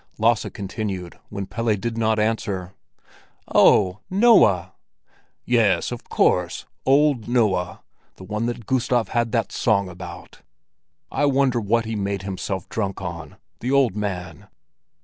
Lasse continued, when Pelle did not answer. "Oh, Noah!" "Yes, of course! Old Noah—the one that Gustav had that song about. I wonder what he made himself drunk on, the old man?"